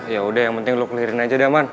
yaudah yang penting lu kelarin aja deh eman